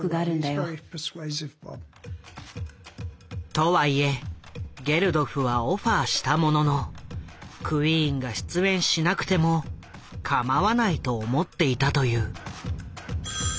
とはいえゲルドフはオファーしたもののクイーンが出演しなくてもかまわないと思っていたという。